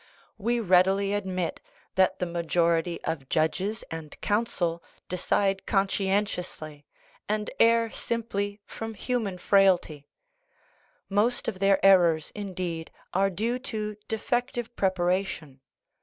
We readily ad 6 THE NATURE OF THE PROBLEM mit that the majority of judges and counsel decide con* scientiously, and err simply from human frailty. Most of their errors, indeed, are due to defective preparation.